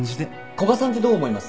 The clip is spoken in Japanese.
古賀さんってどう思います？